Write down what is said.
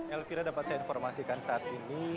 elvira dapat saya informasikan saat ini